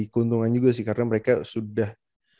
keuntungan juga sih karena mereka sudah